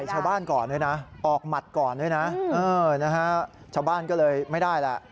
ชาวบ้านก่อนด้วยนะออกหมัดก่อนด้วยนะชาวบ้านก็เลยไม่ได้แหละ